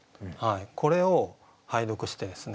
これを拝読してですね